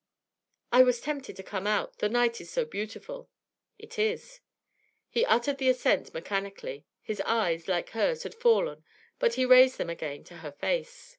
'I was tempted to come out; the night is so beautiful.' 'It is.' He uttered the assent mechanically; his eyes, like hers, had fallen, but he raised them again to her face.